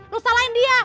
lu salahin dia